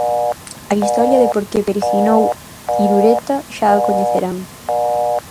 A historia de por que peregrinou Irureta xa a coñecerán.